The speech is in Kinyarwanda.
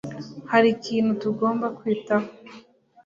hari ikintu tugomba kwitaho